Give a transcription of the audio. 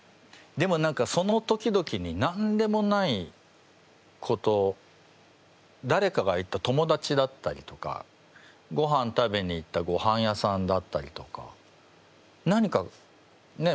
でも何かその時々に何でもないことだれかが言った友達だったりとかごはん食べに行ったごはん屋さんだったりとか何かね